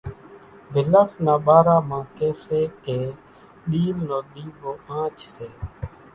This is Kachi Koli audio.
ڀلڦ نا ٻارا مان ڪي سي ڪي ڏِيل نو ۮيوو آنڇ سي۔